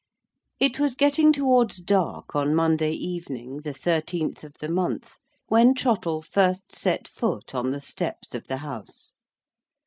It was getting towards dark, on Monday evening, the thirteenth of the month, when Trottle first set foot on the steps of the House.